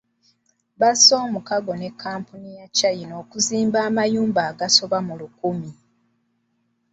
Basse omukago ne kkampuni y’Abachina okuzimba amayumba agasoba mu lukumi.